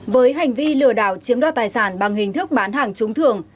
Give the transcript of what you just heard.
với hành vi lừa đảo chiếm đất tài sản bằng hình thức bán hàng trúng thưởng